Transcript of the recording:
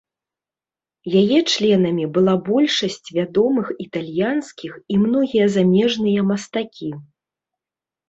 Яе членамі была большасць вядомых італьянскіх і многія замежныя мастакі.